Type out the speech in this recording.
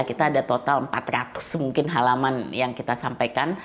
kita ada total empat ratus mungkin halaman yang kita sampaikan